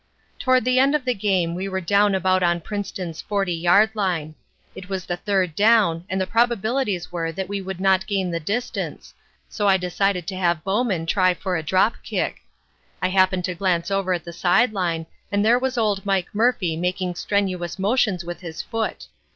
"Toward the end of the game we were down about on Princeton's 40 yard line. It was the third down and the probabilities were that we would not gain the distance, so I decided to have Bowman try for a drop kick. I happened to glance over at the side line and there was old Mike Murphy making strenuous motions with his foot.